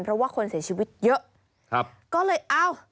เพราะว่าคนเสียชีวิตเยอะ